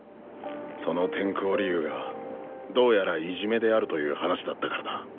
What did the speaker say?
その転校理由がどうやらいじめであるという話だったからだ。